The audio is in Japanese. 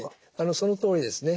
そのとおりですね。